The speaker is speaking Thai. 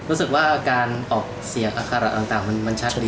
รู้สึกว่าการออกเสียงอาคาระต่างมันชัดดี